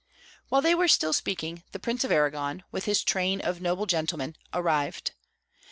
While they were still speaking, the Prince of Arragon, with his train of noble gentlemen, arrived.